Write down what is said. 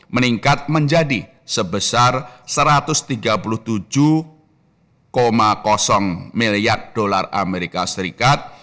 meningkat menjadi sebesar satu ratus tiga puluh tujuh miliar dolar amerika serikat